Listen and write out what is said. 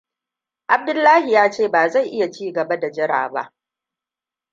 Abdullahi ya ce ba zai iya ci gaba da jira ba.